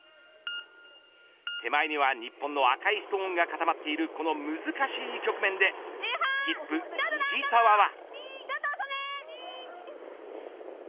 手前には日本の赤いストーンが固まっているこの難しい局面でスキップ藤澤は。